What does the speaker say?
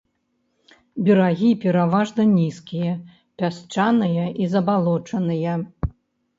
Берагі пераважна нізкія, пясчаныя і забалочаныя.